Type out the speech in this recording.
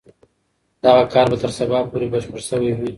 دغه کار به تر سبا پورې بشپړ سوی وي.